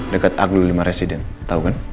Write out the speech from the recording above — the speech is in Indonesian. dekat aglu lima residen tau kan